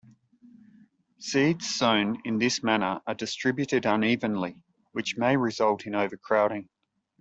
Seeds sown in this manner are distributed unevenly, which may result in overcrowding.